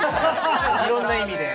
いろんな意味で。